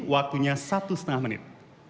waktunya satu setengah menit